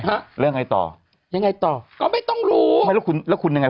ฮะแล้วไงต่อยังไงต่อก็ไม่ต้องรู้ไม่รู้คุณแล้วคุณยังไง